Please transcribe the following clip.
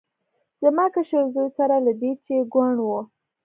زما کشر زوی سره له دې چې کوڼ و.